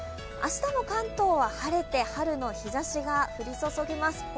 明日も関東は晴れて春の日ざしが降り注ぎます。